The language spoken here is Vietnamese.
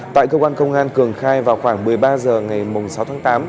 tại cơ quan công an cường khai vào khoảng một mươi ba h ngày sáu tháng tám